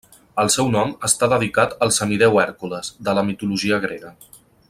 El seu nom està dedicat al semidéu Hèrcules, de la mitologia grega.